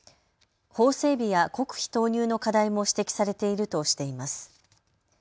法整備や国費投入の課題も指摘されているとしています。